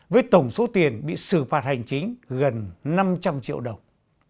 với tổng số tiền bị xử phạt hành chính gần năm trăm linh triệu đồng